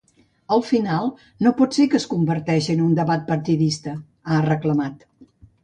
“Al final, no pot ser que es converteixi en un debat partidista”, ha reclamat.